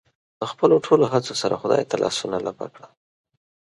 له خپلو ټولو هڅو سره خدای ته لاسونه لپه کړي.